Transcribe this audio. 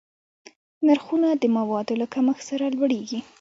نرخونه د موادو له کمښت سره لوړېږي.